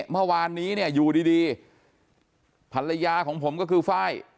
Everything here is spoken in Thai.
เมื่อวานนี้เนี่ยอยู่ดีภรรยาของผมก็คือไฟล์